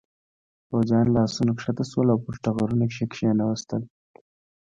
پوځيان له آسونو کښته شول او پر ټغرونو یې کېناستل.